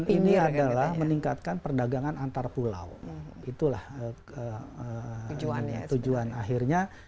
ini adalah meningkatkan perdagangan antar pulau itulah tujuan akhirnya